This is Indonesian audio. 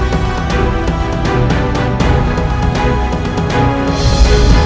sampai jumpa di video selanjutnya